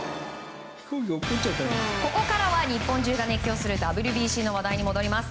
ここからは日本中が熱狂するＷＢＣの話題に戻ります。